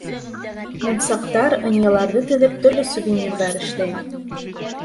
Мунсаҡтар, ынйыларҙы теҙеп, төрлө сувенирҙар эшләйем.